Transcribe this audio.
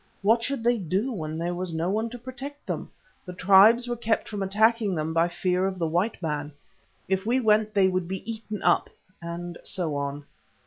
What should they do when there was no one to protect them? The tribes were kept from attacking them by fear of the white man. If we went they would be eaten up," and so on.